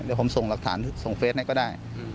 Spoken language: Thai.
เดี๋ยวผมส่งหลักฐานส่งเฟสให้ก็ได้